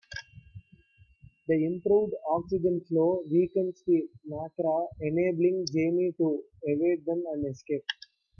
The improved oxygen flow weakens the Macra, enabling Jamie to evade them and escape.